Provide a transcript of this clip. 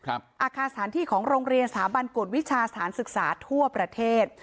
อาคารสถานที่ของโรงเรียนสถาบันกฎวิชาสถานศึกษาทั่วประเทศ